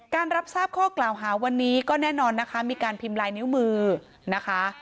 รับทราบข้อกล่าวหาวันนี้ก็แน่นอนนะคะมีการพิมพ์ลายนิ้วมือนะคะ